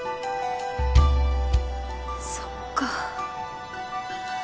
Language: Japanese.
そっか。